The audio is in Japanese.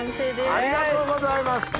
ありがとうございます